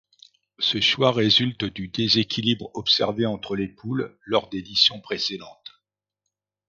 Ce choix résulte du déséquilibre observé entre les poules lors d'éditions précédentes.